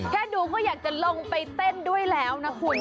แค่ดูก็อยากจะลงไปเต้นด้วยแล้วนะคุณ